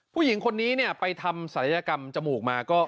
ผู้หญิงคนนี้ไปทำศัลยกรรมจมูกมา